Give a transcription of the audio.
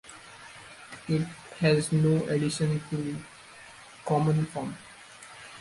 It has no additions to the common form.